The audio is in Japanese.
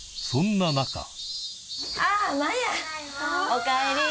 おかえり。